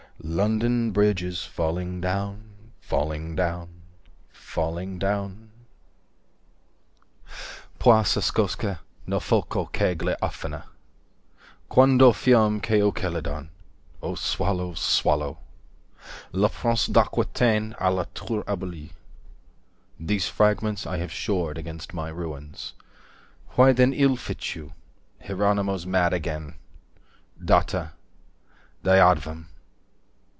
425 London Bridge is falling down falling down falling down Poi s'ascose nel foco che gli affina Quando fiam ceu chelidon—O swallow swallow Le Prince d'Aquitaine à la tour abolie These fragments I have shored against my ruins 430 Why then Ile fit you. Hieronymo's mad againe. Datta. Dayadhvam.